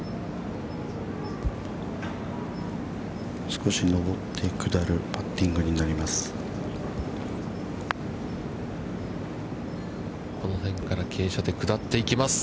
◆少し上って下るパッティングになります。